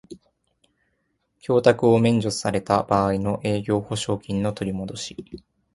供託を免除された場合の営業保証金の取りもどし